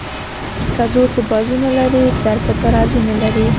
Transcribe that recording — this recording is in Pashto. که زور په بازو نه لري زر په ترازو نه لري.